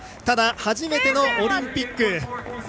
ただ、初めてのオリンピック。